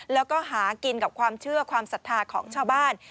แล้วก็หากินกับความเชื่อความศรัทธาของชาวบ้าน